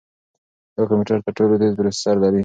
دا کمپیوټر تر ټولو تېز پروسیسر لري.